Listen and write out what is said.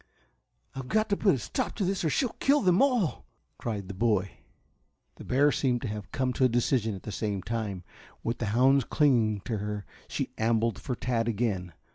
"I've got to put a stop to this or she'll kill them all," cried the boy. The bear seemed to have come to a decision at the same time. With the hounds clinging to her, she ambled for Tad again.